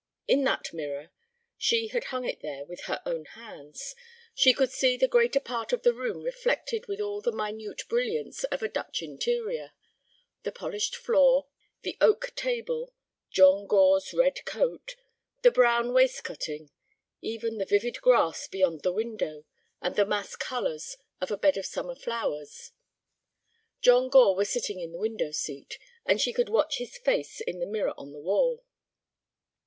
In that mirror—she had hung it there with her own hands—she could see the greater part of the room reflected with all the minute brilliance of a Dutch "interior": the polished floor, the oak table, John Gore's red coat, the brown wainscoting; even the vivid grass beyond the window, and the massed colors of a bed of summer flowers. John Gore was sitting in the window seat, and she could watch his face in the mirror on the wall.